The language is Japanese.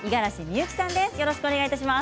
よろしくお願いします。